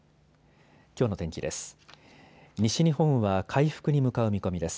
きょうの天気です。